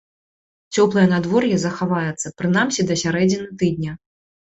Цёплае надвор'е захаваецца прынамсі да сярэдзіны тыдня.